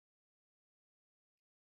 Ameenda dubai jana.